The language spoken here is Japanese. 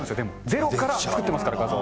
ゼロから作ってますから、画像。